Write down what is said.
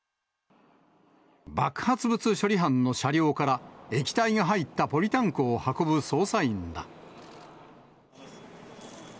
爆発物処理班の車両から、液体が入ったポリタンクを運ぶ捜査員ら。